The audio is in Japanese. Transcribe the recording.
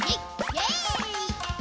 エイ！